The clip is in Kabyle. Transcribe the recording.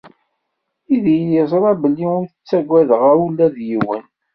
Yidir yeẓra belli ur ttaggadeɣ ula d yiwen.